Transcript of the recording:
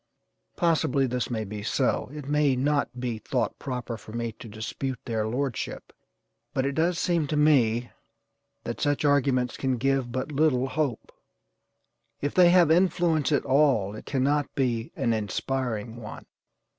Possibly, this may be so; it may not be thought proper for me to dispute their lordship, but it does seem to me that such arguments can give but little hope; if they have influence at all it cannot be an inspiring one.